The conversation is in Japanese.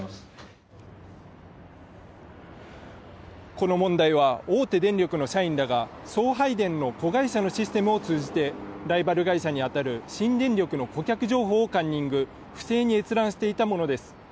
この問題は、大手電力の社員らが送配電の子会社のシステムを通じてライバル会社に当たる新電力の顧客情報をカンニング、不正に閲覧していたものです。